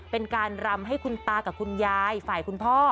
เป็นการรำให้คุณตากับคุณยายฝ่ายคุณพ่อ